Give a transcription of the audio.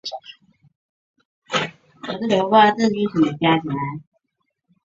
指形角壳灰介为半花介科角壳灰介属下的一个种。